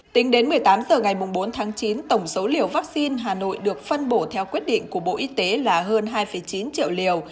tính đến một mươi tám h ngày bốn tháng chín tổng số liều vaccine hà nội được phân bổ theo quyết định của bộ y tế là hơn hai chín triệu liều